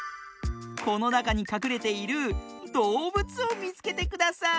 このなかにかくれているどうぶつをみつけてください。